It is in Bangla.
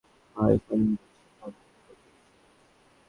ভাই, ফোন ধরছে না, ভাই, - যত টাকা চায় দিব।